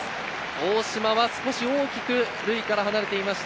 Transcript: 大島、少し大きく塁から離れていました。